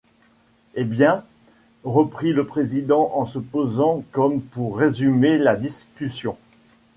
Hé! bien, reprit le président en se posant comme pour résumer la discussion.